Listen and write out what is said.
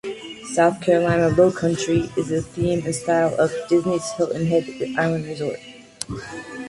"South Carolina Lowcountry" is the theme and style of Disney's Hilton Head Island resort.